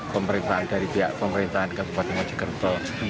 pemerintahan dari pihak pemerintahan kabupaten mojokerto